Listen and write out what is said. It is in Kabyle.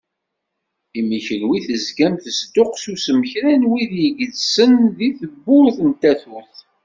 Imi kunwi tezgam tesduqsusem kra n wid igedzen s tewwurt n tatut.